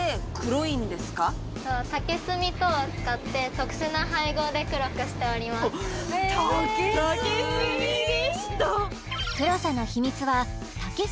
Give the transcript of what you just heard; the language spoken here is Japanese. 竹炭等を使って特殊な配合で黒くしております・竹炭！